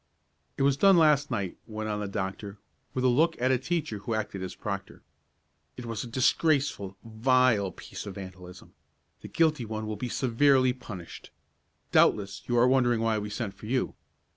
"It was done last night," went on the doctor with a look at a teacher who acted as proctor. "It was a disgraceful, vile piece of vandalism. The guilty one will be severely punished. Doubtless you are wondering why we sent for you.